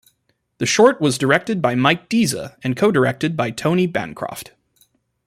The short was directed by Mike Disa and co-directed by Tony Bancroft.